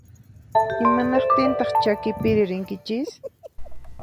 Imanaqtintaq chakipiri rinkichis?